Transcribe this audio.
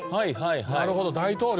なるほど大統領。